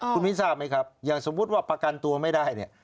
คุณมิ้นทราบไหมครับอย่างสมมุติว่าประกันตัวไม่ได้เนี่ย